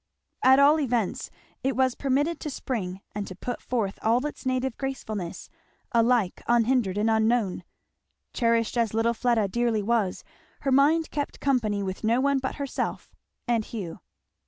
At all events it was permitted to spring and to put forth all its native gracefulness alike unhindered and unknown. Cherished as little Fleda dearly was, her mind kept company with no one but herself, and Hugh.